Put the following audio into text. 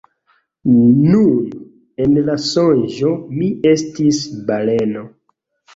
Nun, en la sonĝo, mi estis baleno.